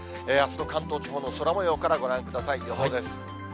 あすの関東地方の空もようからご覧ください、予報です。